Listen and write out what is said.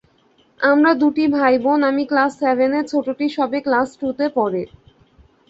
আমরা দুটি ভাইবোন, আমি ক্লাস সেভেনে, ছোটটি সবে ক্লাস টুতে পড়ে।